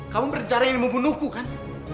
kamu berencana ingin membunuhku kan